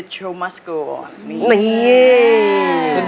ขอบคุณค่ะ